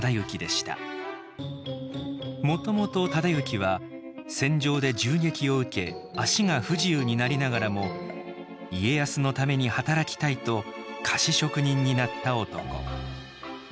もともと忠行は戦場で銃撃を受け脚が不自由になりながらも家康のために働きたいと菓子職人になった男。